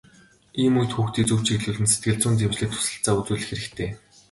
Ийм үед хүүхдийг зөв чиглүүлэн сэтгэл зүйн дэмжлэг туслалцаа үзүүлэх хэрэгтэй.